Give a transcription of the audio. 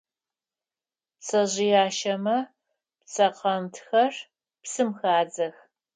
Пцэжъыяшэмэ пцэкъэнтфхэр псым хадзэх.